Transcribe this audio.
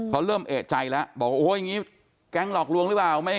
เขาเริ่มเอกใจแล้วบอกว่าโอ้ยอย่างนี้แก๊งหลอกลวงหรือเปล่า